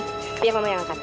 biar mama yang makan